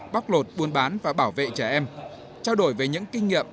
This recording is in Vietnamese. bóc lột buôn bán và bảo vệ trẻ em trao đổi về những kinh nghiệm